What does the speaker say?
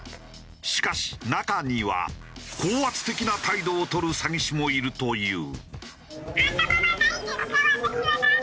しかし中には高圧的な態度を取る詐欺師もいるという。